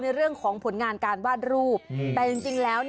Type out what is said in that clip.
อันนั้นจดหมายส่วนตัว